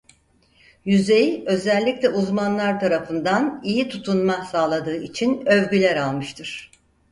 Yüzey özellikle uzmanlar tarafından iyi tutunma sağladığı için övgüler almıştır.